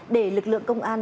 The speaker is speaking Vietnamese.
để lực lượng công an